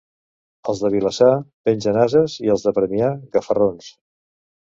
Els de Vilassar, pengen ases, i els de Premià, gafarrons.